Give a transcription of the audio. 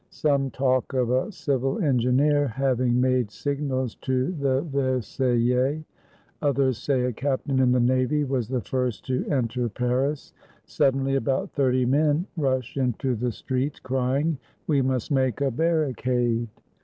Some talk of a civil engineer having made signals to the Versaillais; others say a captain in the navy was the first to enter Paris. Suddenly about thirty men rush into the streets, crying, "We must make a barricade."